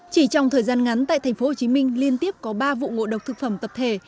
chỉ trong thời gian ngắn tại tp hcm liên tiếp có ba vụ ngộ độc thực phẩm tập thể